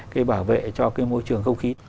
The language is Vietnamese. cái bảo vệ cho cái môi trường không khí